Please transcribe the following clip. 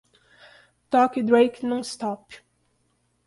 Toque Drake Nonstop.